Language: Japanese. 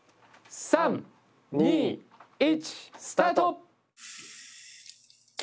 ３・２・１スタート！